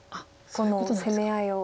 この攻め合いを。